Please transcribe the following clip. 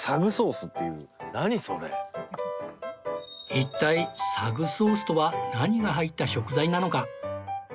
一体サグソースとは何が入った食材なのか？